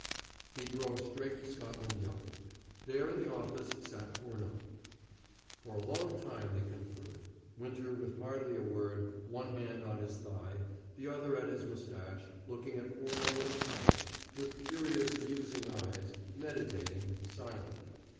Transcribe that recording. He drove straight to Scotland Yard. There in the office sat Furneaux. For a long time they conferred Winter with hardly a word, one hand on his thigh, the other at his mustache, looking at Furneaux with a frown, with curious musing eyes, meditating, silent.